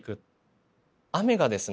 雨がですね